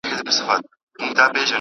مشران د بیان ازادۍ لپاره څه کوي؟